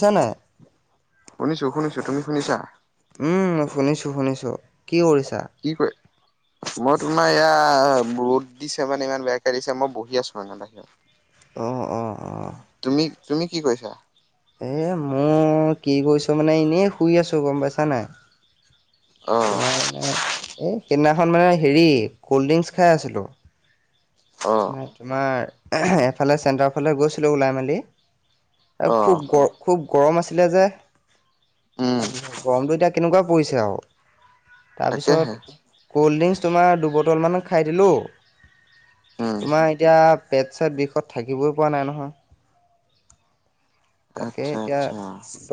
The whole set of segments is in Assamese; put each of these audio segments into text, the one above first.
শুনিছা নাই? শুনিছোঁ শুনিছোঁ, তুমি শুনিছা? উম, শুনিছোঁ শুনিছোঁ, কি কৰিছা? কি কৈ মই তোমাৰ এইয়া ৰ'দ দিছে মানে ইমান বেয়াকে দিছে, মই বহি আছোঁ মানে বাহিৰত। অ', অ', অ'। তুমি, তুমি কি কৰিছা? এই মোৰ, কি কৰিছোঁ মানে, এনেই শুই আছোঁ। গম পাইছা নে নাই? অ তোমাৰ মানে এই সেইদিনাখন মানে হেৰি, কল্ড ড্ৰিংকচ খাই আছিলো। অ নাই তোমাৰ। এফালে চেণ্টাৰৰ ফালে গৈছিলো ওলাই মেলি। অ, অ খুব গৰম, খুব গৰম আছিলে যে, উম তাৰপিছত গৰমতটো এতিয়া কেনেকুৱা পৰিছে আৰু। তাৰ তাকেহে পিছত কল্ড ড্ৰিংকচ তোমাৰ দুবটলমান খাই দিলোঁ। উম তোমাৰ এতিয়া পেট ছট বিষত থাকিবই পৰা নাই নহয়। তাকে আচ্ছা এতিয়া, আচ্ছা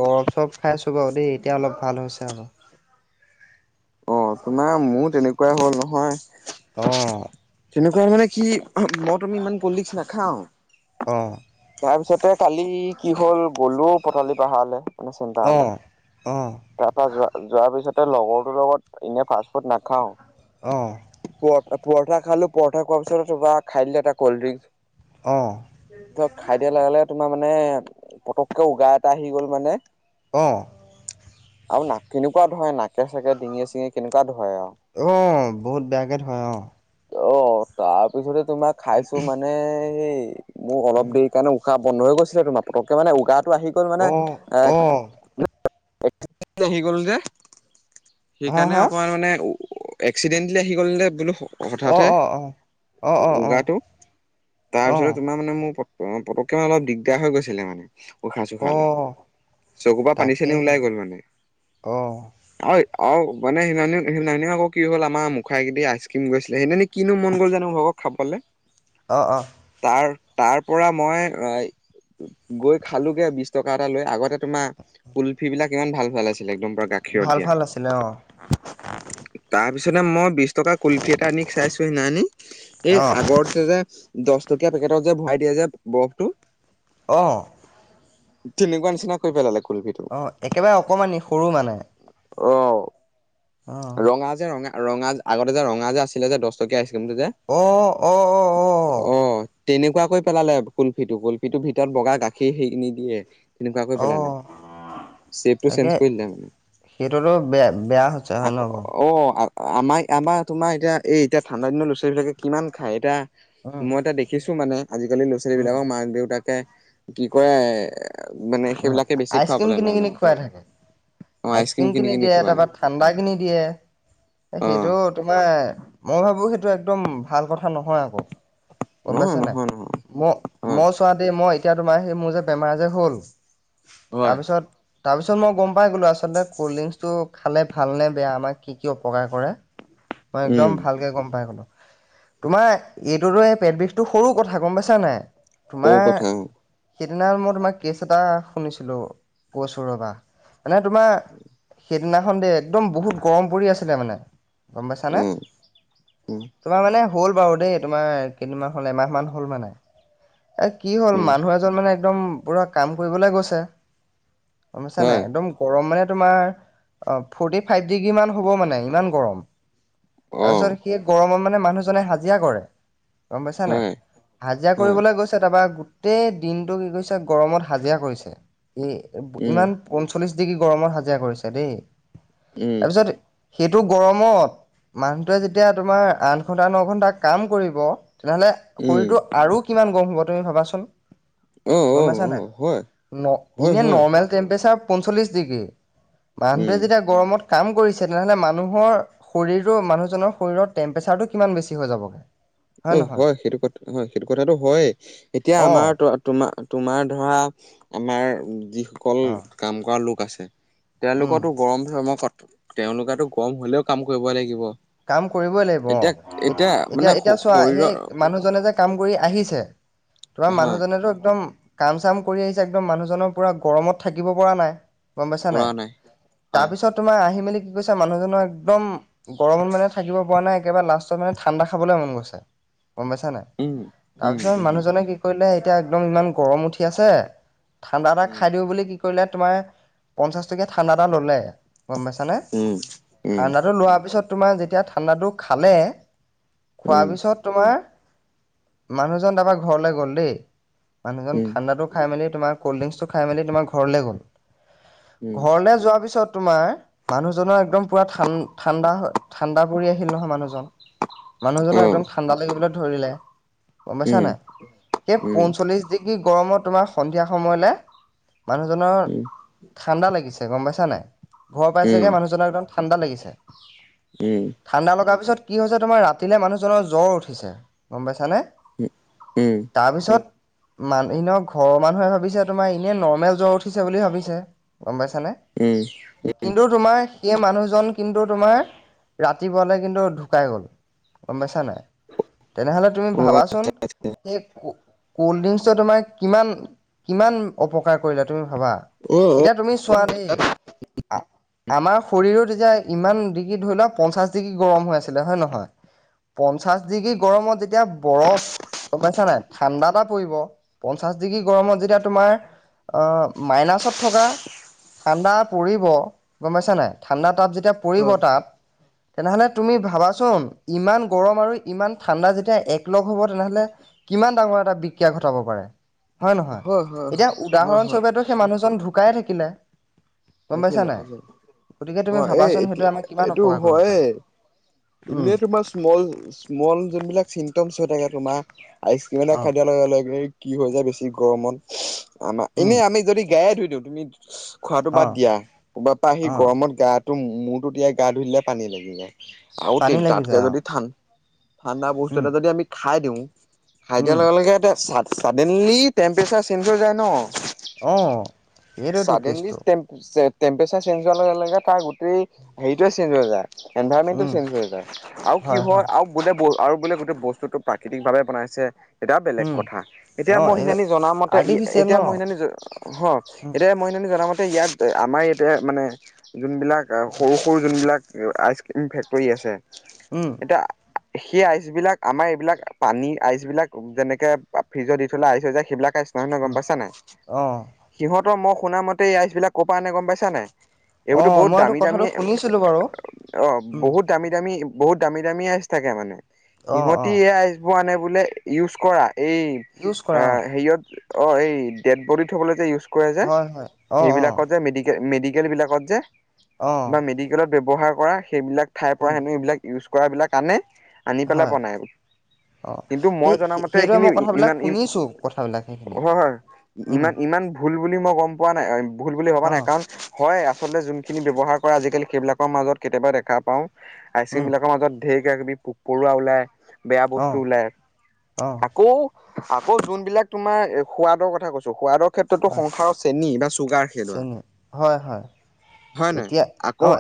দৰব চৰব খাইছো। হবাউ দেই, এতিয়া অলপ ভাল হৈছে আৰু। অ', তোমাৰ, মোৰ তেনেকুৱাই হ'ল নহয়। অ'। এনেকুৱা মানে কি মই তুমি ইমান কলডিক্স নাখাওঁ। অ', তাৰি ছতে কালি কি হ'ল, গ'লো পথালি পাহাৰলৈ। মানে চিন্তা অ'। হ'লে। অ', তাৰ পৰা যোৱা, যোৱাৰ পিছতে লগৰ তোৰ লগত, এনে ফাষ্টফুড নাখাওঁ। অ'। কোৱঠা খালোঁ, পৰঠা খোৱাৰ পিছত এতুবা খাই দিলোঁ এটা কল্ডড্ৰিংক। অ', ত', খাই দিয়া লগে লগে তোমাৰ মানে, পতককে উগাৰ এটা আহি গ'ল মানে অ'। আৰু নাক, কেনেকুৱা ধৰে নাকে থাকে, ডিঙি চিঙিএ কেনেকুৱা ধৰে আৰু। অ', বহুত বেয়াকে ধৰে অ'। অ', তাৰপিছতে তোমাক খাইছোঁ মানে সেই মোৰ অলপ দেৰি কাৰণে উশা বন্ধ হৈ গৈছিলে তোমাৰ। পতককে মানে উগাৰটো আহি গ'ল মানে, অ', এ অ', [unintelligible] আহি গ'ল যে হা সেইকাৰণে হা অকমান মানে এক্সিডেণ্টলি আহি গ'ল নে বোলোসো হঠাতে অ', অ', অ'। অ', অ', অ', উগাৰটো, তাৰপিছতে অ', তোমাৰ মানে মোৰ প অ, পতককে মানে অলপ দিগদাৰ হৈ গৈছিলে মানে। উশাহ-চুশাহ লোৱা। অ', চকু পৰা পানী-চানী তাকেহে ওলাই গ'ল মানে। অ'। অই আও মানে সিনানী সিনানীয় আকৌ কি হ'ল আমাৰ মুখাগেদি আইচক্ৰীম গৈছিলে। সেইদিনানি কিনো মন গ'ল জানো মোৰ ভাগৰ খাবলে অ, অ। তাৰ তাৰ পৰা মই, ৰই গৈ খালোগে বিশ টকা এটা লৈ। আগতে তোমাৰ কুলফি বিলাক ইমান ভাল ভাল আছি লে একদম পুৰা গাখীৰত ভাল দিয়া ভাল আছিলে। অ'। তাৰ পিছতে মই বিশ টকা কুলফি এটা আনি চাইছোঁ সিনানি। এই অ', আগতে যে, দচ টকীয়া পেকেটত যে ভৰাই দিয়ে যে বৰফটো অ'। তেনেকুৱা নিচিনা কৰি পেলালে। কুলফিটো অ, একেবাৰে অকমানি সৰু মানে। অ, অ', ৰঙা যে ৰঙা, ৰঙা আগতে যে ৰঙা যে আছিলে যে দচ টকীয়া আইচ জিমটোযে অ', অ', অ', অ' তেনেকুৱা কৰি পেলালে কুলফিটো, কুলফিটো ভিতৰত বগা গাখীৰ সেই নিদিয়ে। তেনেকুৱা কৰি পেলালে। অ', চেপটো চেঞ্জ তাকে কৰি দিলে মানে। [unintelligible] বেয়া, বেয়া হৈছে হয় আকৌ নহয় ক'? অ', আমাৰ আমাৰ তোমাৰ এতিয়া এই এতিয়া ঠাণ্ডা দিনত ল'ৰা-ছোৱালীবিলাকে কিমান খায়। এতিয়া উম। মই এতিয়া দেখিছো মানে, আজিকালি উম, ল'ৰা-ছোৱালীবিলাকক মাক-দেউতাকে, কি কৰে মানে অ, সেইবিলাকে বেছি আইচক্ৰীম খুৱাবলৈ কিনি লয় কিনি মানে। খুৱাই থাকে। অ', আইচ আইচক্ৰীম কিম কিনি দিয়ে। খুৱাই, তাৰপা ঠাণ্ডা কিনি দিয়ে। অ', সেইটো তোমাৰ মই ভাবো সৈ সেইটো একদম ভাল কথা নহয় আকৌ। গম নহয় পাইছা নাই, নহয় নহয় মই হয়। মই চোৱা দেই মই এতিয়া তোমাৰ সেই মোৰ যে বেমাৰ যে হ'ল, হয়, তাৰপিছত তাৰপিছত মই গম পাই গ'লোঁ আচলতে ক'ল্ড ড্ৰিংকছটো খালে ভালনে বেয়া আমাক কি কি অপকাৰ কৰে। মই উম, একদম ভালকে গম পাই গলো। তোমাৰ এইটোতো পেট বিষটো সৰু কথা গম পাইছা নাই? সৰু কথা অ, সেইদিনাঅন মই তোমাৰ কেছ এটা শুনিছিলোঁ কৈচে ৰ'বা মানে তোমাৰ সেইদিনাখন দেই একদম বহুত গৰম পৰি আছিলে মানে, গম পাইছানে, উম, উম, তোমাৰ মানে হ'ল বাৰু দেই তোমাৰ কেইদিনমান হ'ল এমাহ মান হ'ল মানে এ কি হ'ল উম, মানুহ এজন মানে একদম পুৰা কাম কৰিবলে গৈছে গমপাইচা নাই, হয়, একদম গৰম মানে তোমাৰ অ, ফ'ৰটি ফাইভ ডিগ্ৰী মান হ'ব মানে ইমান গৰম, অ', তাৰপিছত সেই গৰমত মানে মানুহজনে হাজিৰা কৰে। গম পাইছা নাই, হয়, হাজিৰা হয়, কৰিবলৈ গৈছে তাৰপৰা গোটেই দিনটো কি কৈছে গৰমত হাজিৰা কৰিছে এ উম, ইমান পঞ্চল্লিশ ডিগ্ৰী গৰমত হাজিৰা কৰিছে দেই, উম। তাৰপিছত সেইটো গৰমত মানুহটোৱে যেতিয়া তোমাৰ আঠ-ঘন্টা ন-ঘন্টা কাম কৰিব, তেনেহলে উম, শৰীৰটো আৰু কিমান গম হব তুমি ভাবাচোন অ', গম অ', পাইছা নাই? অ', হয়, ন হয়, এনে হয়, নৰ্মেল টেম্প্ৰচাৰ পঞ্চল্লিশ ডিগ্ৰী উম, মানুটোৱে যেতিয়া গৰমত কাম কৰিছে তেনেহলে মানুহৰ শৰীৰো মানুহজনৰ শৰীৰৰ টেম্পৰেচাৰটো কিমান বেছি হৈ যাবগে? অ, হয় সেইটো কথা হয় সেইটো কথাটো হয়ে এতিয়া অ', আমাৰ তো-তোমাৰ তোমাৰ ধৰা আমাৰ যিসকল অ', কাম কৰা লোক আছে উম। তেওঁলোকতো গৰম-চৰম ক তেওঁলোকতো গৰম হলেও কাম কৰিব লাগিব। কাম কৰিবই লাগিব অ এতিয়া এতিয়া মানে শ এতিয়া চোৱা সেই শৰীৰৰ মানুহজনে যে কাম কৰি আহিছে তোমাৰ হা মানুহজনেতো একদম কাম চাম কৰি আহিছে একদম মানুহজনৰ পুৰা গৰমত থাকিব পৰা নাই গম পাইছা নাই তাৰ হয় পিছত তোমাৰ আহি মেলি কি কৈছা মানুহজনৰ একদম গৰমত মানে থাকিব পৰা নাই একেবাৰে লাষ্টত মানে ঠাণ্ডা খাবলৈ মন গৈছে গম পাইছা নাই উম। উম, তাৰপিছত উম, মানুহজনে কি কৰিলে এতিয়া একদম ইমান গৰম উঠি আছে ঠাণ্ডা এটা উম, খাই দিওঁ বুলি কি কৰিলে তোমাৰ পঞ্চাশ টকীয়া ঠাণ্ডা এটা ল'লে গম পাইছানে উম, ঠাণ্ডাটো লোৱাৰ পিছত তোমাৰ যেতিয়া ঠাণ্ডাটো খালে উম, খোৱাৰ উম, পিছত তোমাৰ মানুহজন তাৰপৰা ঘৰলৈ গ'ল দেই মানুহজন উম, ঠাণ্ডাটো খাই মেলি তমাৰ কল্ড ড্ৰিংকছটো খাই মেলি তোমাৰ ঘৰলৈ গ'ল উম, ঘৰলে যোৱাৰ পিছত তোমাৰ মানুহজনৰ একদম পুৰা ঠাণ্ড ঠাণ্ডা হয় ঠাণ্ডা পৰি আহিল নহয় মানুহজন মানুহজনক একদম অ', ঠাণ্ডা লাগিবলৈ ধৰিলে গম পাইছা উম, নাই সেই উম, পঞ্চল্লিশ ডিগ্ৰী গৰমত তোমাৰ সন্ধিয়া সময়লৈ মানুহজনৰ উম, ঠাণ্ডা লাগিছে গম পাইছা নাই ঘৰ পাইছেগে উম, মানুহজনক একদম ঠাণ্ডা লাগিছে উম, উম, ঠাণ্ডা লগাৰ পিছত কি হৈছে তোমাৰ ৰাতিলে মানুহজনৰ জ্বৰ উঠিছে গম পাইছানে উম, তাৰপিছত মান ন ঘৰৰ মানুহে ভাবিছে তোমাৰ ই এনে নৰ্মেল জ্বৰ উঠিছে বুলি ভাবিছে গম পাইছ উম। কিন্তু তোমাৰ সেই মানুহজন কিন্তু তোমাৰ ৰাতিপুৱালৈ কিন্তু ঢুকাই গ'ল গম পাইছা নাই তেনেহ'লে তুমি অ ভাবাচোন আচ্ছা আচ্ছা সেই কোল্ড ড্ৰিংকচটো তোমাৰ কিমান কিমান অপকাৰ কৰিলে তুমি ভাবা অ এতিয়া তুমি চোৱা দেই আমাৰ শৰীৰত এতিয়া ইমান ডিগ্ৰী ধৰি লোৱাক পঞ্চাশ ডিগ্ৰী গৰম হৈ আছিলে হয়নে নহয় পঞ্চাশ ডিগ্ৰী গৰমত যেতিয়া বৰফ গম পাইছা নাই ঠাণ্ডা এটা পৰিব পঞ্চাশ পঞ্চাচ ডিগ্ৰী গৰমত যেতিয়া তোমাৰ আহ মাইনাছত থকা ঠাণ্ডা পৰিব গম পাইছা নাই ঠাণ্ডা তাত যেতিয়া অ পৰিব তাত তেনেহলে তুমি ভাবাচোন ইমান গৰম আৰু ইমান ঠাণ্ডা যেতিয়া এক লগ হ'ব তেনেহলে কিমান ডাঙৰ এটা বিক্ৰিয়া ঘটাব পাৰে। হয় নহয়। হয় এতিয়া হয় হয় হয় উদাহৰণস্বৰূপেতো সেই মানুহজন ঢুকাই থাকিলে। গম পাইছা থাকিলে নাই। থাকিলে গতিকে তুমি এই ভাবাচোন সেইটো এতিয়া আমাক কিমান এইটো অপকাৰ কৰিব হয় পাৰে উম এনেই তোমাৰ স্মল স্মল যোনবিলাক চিমটম হৈ থাকে তোমাৰ আইচ ক্ৰীম এটা অ খাই দিয়া লগে লগে কি হৈ যায় বেছি গৰমত। আমাৰ উম এনে আমি যদি গায়ে ধুই দিওঁ তুমি খোৱাটো অ বাদ দিয়া। কৰবাৰ পৰা আহি অ গৰমত গা মূৰতো তিয়াই গা ধুই দিলে পানী লাগি যায় পানী আৰু লাগি তাতকে যায় অ', যদি ঠা ঠাণ্ডা বস্তু উম, এটা যদি আমি খাই দিওঁ। খাই দিয়াৰ উম, লগে লগে চাডেনলি টেম্পৰেচাৰ চেঞ্জ হৈ যায় ন। অ', সেইটোৱেতো চডেনলি কেচটো, টেম্প টেম্পচাৰ চেঞ্জ হোৱাৰ লগে লগে তাৰ গোটেই হেৰি চেঞ্জ হৈ যায় এনভাৰনমেণ্টটো উম, চেঞ্জ হৈ যায় আৰু কি হয় আৰু বোলে আৰু বোলে গোটেই বস্তুটো প্ৰাকৃতিকভাৱে বনাইছে। এতিয়া বেলেগ উম, কথা। এতিয়া অ', মই এই সেইদিনাখনি জনামতে আৰ্টিফিচিয়েল ন? এতিয়া মই সেইদিনাখনি উম, এতিয়া মই সেইদিনাখনি জনামতে ইয়াত আমাৰ ইয়াতে মানে যোনবিলাক সৰু সৰু যোনবিলাক আইচ ক্ৰীম ফেক্ট ৰী আছে। উম। সেই আইচবিলাক আমাৰ এইবিলাক পানী আইচ বিলাক যেনেকে ফ্ৰিজত দি থ'লে আইচ হৈ যায়। সেইবিলাক আইচ নহয় নহয় গম উম, পাইছা নাই। অ', সিহঁতৰ মই শুনা মতে এই আইচবিলাক ক'ৰ পৰা আনে গম পাইছা নাই? এইবোৰতো অ', বহুত মই এইটো দামী কথাটো দামীয়ে শুনিছিলোঁ বাৰু, অ' উম, বহুত দামী দামী বহুত দামী দামী আইচ থাকে মানে। অ', সিহঁতি অ', এই আইচবোৰ আনে বোলে ইউজ কৰা। এই ইউজ কৰা অ', হেৰিয়ত অ' এই ডেড বডি থ'বলৈ যে ইউজ কৰে‌ যে হয়, হয়, অ', অ', হেৰিবিলাকত যে মেডিকে মেডিকেল মেডিকেলবিলাকত যে, অ', মেডিকেলত ব্যৱহাৰ কৰা সেইবিলাক ঠাইৰ পৰা উম, আনি এইবিলাক ইউজ কৰা বিলাক আনে আনি পেলাই হয়, বনাই। অ', কিন্তু মই সেই জনামতে সেইদৰে এইখিনি মই কথাবিলাক ইমান ই শুনিছোঁ কথাবিলাক সেইখিনি, হয় উম, ইমান ই ইমান ভুল বুলি মই গম পোৱা নাই ভুল বুলি ভবা নাই। অ', কাৰণ হয় আচলতে যোনখিনি ব্যৱহাৰ কৰা আজিকালি সেইবিলাকৰ মাজত কেতিয়াবা দেখা পাওঁ, উম, আইচক্ৰীমবিলাকৰ মাজত ঢেৰ কিবা কিবি পৰুৱা ওলাই বেয়া বস্তু অ', ওলাই। অ', আকৌ আকৌ যোনবিলাক তোমাৰ সোৱাদৰ কথা কৈছোঁ সোৱাদত ক্ষেত্ৰতো হয়, সংসাৰৰ চেনি বা চুগাৰ নে দৰা। চেনী, হয়, হয়, হয় নাই? এতিয়া, আকৌ অ',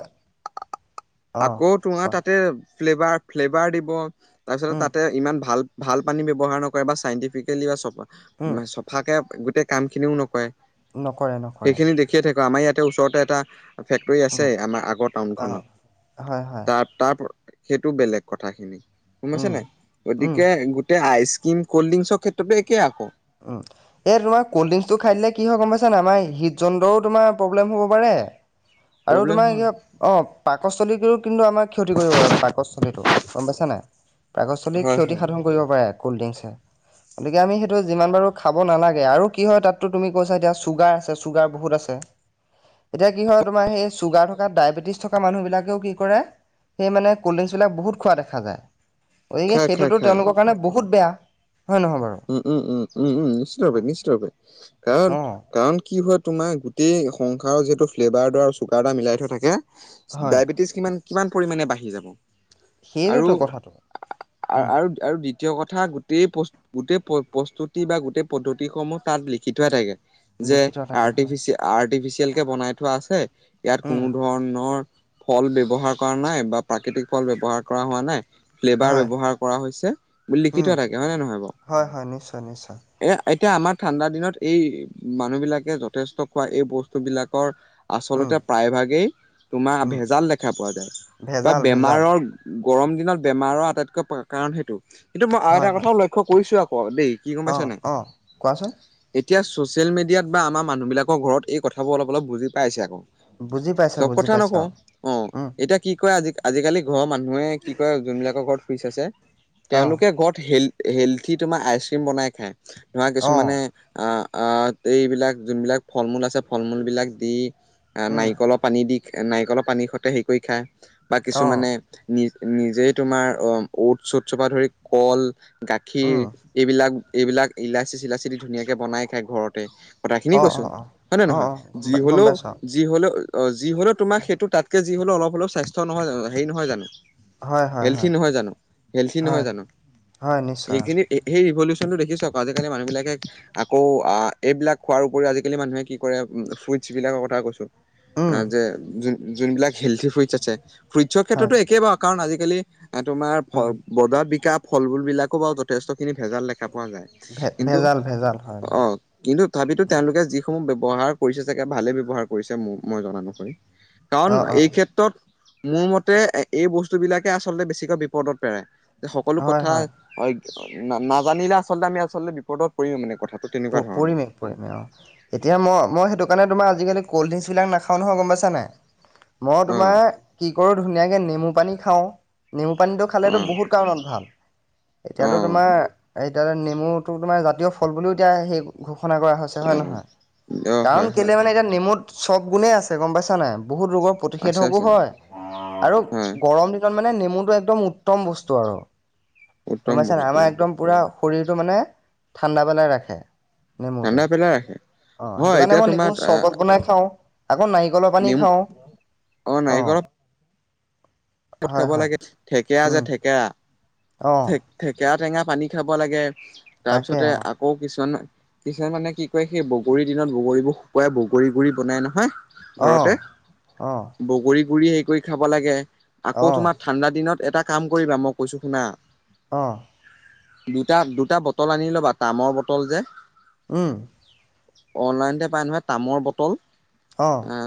অ', আকৌ তোমাৰ কোৱা, তাতে ফ্লেভাৰ ফ্লেভাৰ দিব তাৰপিছত উম, তাতে ইমান ভাল ভাল পানী ব্যৱহাৰ নকৰে বা চাইণ্টিফিকেলি বা চফা উম, চফাকৈ গোটেই কামখিনিও নকৰে। নকৰে নকৰে সেইখিনি দেখিয়ে থাকোঁ আমাৰ ইয়াত ওচৰতে এটা ফেক্টৰী আছে উম আমাৰ আগৰ অ টাউনখনত। হয় হয় তাৰ তাৰ সেইটো বেলেগ কথাখিনি গম পাইছা উম নাই? উম গতিকে গোটেই আইচ কল্ড ড্ৰিংকচৰ ক্ষেত্ৰতো একে আকৌ। এই তোমাৰ কোল্ড ড্ৰিংকচটো খাই দিলে কি হয় গম পাইছানে আমাৰ হৃদ যন্ত্ৰটোৰ তোমাৰ প্ৰব্লেম হ'ব পাৰে। [inaudible] আৰু তোমাৰ কি হয় অ' পাকস্থলীটো কিন্তু আমাৰ ক্ষতি কৰিব পাৰে পাকস্থলীটো গম পাইছা নাই? পাকস্থলীৰ হয় ক্ষতি হয় সাধন কৰিব পাৰে কল্ড ড্ৰিংকচে। গতিকে আমি সেইটো যিমান বাৰু খাব নালাগে আৰু কি হয় তাততো তুমি কৈছা এতিয়া চুগাৰ আছে চুগাৰ বহুত আছে। এতিয়া কি হয় তোমাৰ সেই চুগাৰ থকা ডায়েবেটিছ থকা মানুহবিলাকেও কি কৰে সেই মানে কল্ড ড্ৰিংকচবিলাক বহুত খোৱা দেখা যায়। গতিকে খাই খাই সেইটোতো খাই তেওঁলোকৰ কাৰণে বহুত বেয়া হয়নে নহয় বাৰু? উম, উম, উম, উম নিশ্চিতভাৱে নিশ্চিতভাৱে। কাৰণ অ কাৰণ কি হয় তোমাৰ গোটেই সংসাৰৰ যিহেতু ফ্লেভাৰ আৰু চুগাৰ মিলাই থৈ থাকে হয় ডায়েবেটিছ কিমান কিমান পৰিমাণে বাঢ়ি যাব আৰু সেইটোতো কথাটো উম আৰু-আৰু তৃতীয় কথা গোটেই গোটেই প্ৰস্তুতি বা গোটেই পদ্ধতিসমূহ তাত লিখি থোৱা থাকে। যে লিখি থোৱা থাকে আৰ্টিচ হয় আৰ্টিফিচিয়েল কে বনাই থোৱা আছে, ইয়াত উম কোনো ধৰণৰ ফল ব্যৱহাৰ কৰা নাই বা প্ৰাকৃতিক ফল ব্যৱহাৰ কৰা হোৱা নাই। ফ্লেভাৰ হয় ব্যৱহাৰ কৰা হৈছে বুলি লিখি উম থোৱা থাকে হয় নে নহয় বাৰু? হয়, হয়, নিশ্চয়, নিশ্চয়। এ এতিয়া আমাৰ ঠাণ্ডা দিনত এই মানুহ বিলাকে যথেষ্ট খোৱা এই বস্তু বিলাকৰ উম আচলতে প্ৰায়ভাগেই তোমাৰ উম ভেজাল দেখা পোৱা যায় বা ভেজাল ভেজাল বেমাৰৰ গৰম দিনত বেমাৰৰ আটাইতকৈ কাৰণ সেইটো, কিন্তু মই আৰু হয় এটা হয় কথা লক্ষ্য কৰিছোঁ আকৌ দেই কি গম অ পাইছা নাই? অ কোৱাচোন এতিয়া ছ'চিয়েল মিডিয়াত বা আমাৰ মানুহবিলাকৰ ঘৰত এই কথাবোৰ অলপ অলপ বুজি পাইছে আকৌ। বুজি পাইছে চব বুজি কথা পাইছে নকওঁ অ, উম এতিয়া কি কয় আজিকালি আজিকালি ঘৰৰ মানুহে কি কৰে যোনবিলাকৰ ঘৰত ফিচ আছে অ তেওঁলোকে ঘৰত হেল হেল্থ উঠি তোমাৰ আইচক্ৰীম বনাই খায় ধৰা অ কিছুমানে এইবিলাক যোনবিলাক ফল-মূল আছে ফল-মূলবিলাক দি উম নাৰিকলৰ পানী দি নাৰিকলৰ পানীৰ সতে হেৰি কৰি খায় বা অ কিছুমানে নি নিজেই তোমাৰ অটচ চটচৰ পৰা ধৰি কল, গাখ উম এইবিলাক ইলাচি চিলাচি দি ধুনীয়াকে বনাই খায় ঘৰতে। কথাখিনি অ কৈছো অ অ হয় নে নহয়, অ অ নহয়, গম যি পাই গম হলেও, পাইছো যি হলেও অ, যি হলেও তোমাক সেইটো তাতকে যি হলে অলপ, অলপ স্বাস্থ্য নহয় হেৰি নহয় জানো? হয় হয় হেল্থি হয় নহয় জানো হেল্থি হয় নহয় জানো? হয় নিশ্চয় এইখিনি এতিয়া ৰিৱলিউছন দেখিচ আজিকালি মানুহ বিলাকে আকৌ এইবিলাক খোৱাৰ উপৰি আজিকালি মানুহে কি কৰে বিলাকৰ কথা কৈছো উম যে যোনবিলাক হেল্থি ফ্ৰুইটছ আছে। ফ্ৰুইটছৰ হয় ক্ষেত্ৰতো একেই বাৰু কাৰণ আজিকালি এ, তোমাৰ উম বদ বিকাশ ফল-মূল বিলাক ক, যথেষ্টখিনি ভেজাল লাগে। দেখা পোৱা যায়। ভে কিন্তু ভেজাল ভেজাল হয় অ, বাৰু কিন্তু তথাপিতো তেওঁলোকে যি সমূহ ব্যৱহাৰ কৰিছে চাগে ভালে ব্যৱহাৰ কৰিছে। মই জ নো হয়, কাৰণ অ অ অ এই ক্ষেত্ৰত মোৰ মতে এই বস্তু বিলাকে আচলতে বেছিকৈ বিপদত পেৰে যে সকলো হয় কথা হয় হয় নাজানিলে আচলতে আমি আচলতে বিপদত পৰিম মানে কথা পৰিমে, পৰিমে অ, এতিয়া মই, মই সেইটো কাৰণে তোমাৰ আজিকালি কল্ড ড্ৰিংকচ বিলাক নাখাওঁ নহয়। গম পাইছা নাই মই অ', তোমাৰ কি বৰ ধুনীয়াকে নেমু পানী খাওঁ। নেমু পানীটো খালেতো অ', বহুত কাৰণত ভাল এতিয়াতো অ', তোমাৰ আৰু এতিয়া নেমুটো তোমাৰ জাতীয় ফল বুলিও এতিয়া সেই ঘুখ ঘুখনা কৰা হৈছে হয় অ', নহয়। অ', কাৰণ হয়, হয়, কেলে মানে এতিয়া নেমুত চব গুণে আছে গম পাইছা নাই। বহুত ৰোগৰ আছে, প্ৰতিষেধকো আছে, হয় আৰু হয়। গৰম দিনত। মানে নেমুতটো এক্দম উত্তম বস্তু আৰু উত্তম পাইছ বস্তু আমাৰ একদম পুৰা শৰীৰটো মানে ঠাণ্ডা পনাই ৰাখে। নেমুটোৱে ঠাণ্ডা পেলাই ৰাখে অ, সেইটো হয় কাৰণে এতিয়া মই নেমু তোমাৰ চৰ্বত বনাই খাও। আকৌ নাৰিকলৰ পানী নেমু খাওঁ অ'। ক'ত হয় খাব হয় লাগে, থেকেৰা যে উম থেকেৰা, অ থেকে থেকেৰা টেঙা পানী খাব লাগে। তাৰ তাকে পিছতে অ আকৌ কিছুমান কিছুমান মানে কি কয় সেই বগৰীৰ দিনত বগৰীবোৰ শুকুৱাই বগৰী গুৰি বনাই নহয়। অ ঘৰতে অ বগৰী গুৰি হেৰি কৰি খাব লাগে। আকৌ অ তোমাৰ ঠাণ্ডা দিনত এটা কাম কৰিবা মই কৈছো শুনা অ'। দুটা, দুটা বটল আনি ল'বা তামৰ বটল যে উম। অনলাইনতে পাই নহয় তামৰ বটল অ'। আহ